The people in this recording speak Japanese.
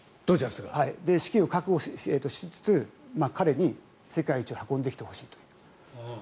資金を確保しつつ彼に世界一を運んできてほしいと。